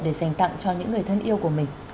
để dành tặng cho những người thân yêu của mình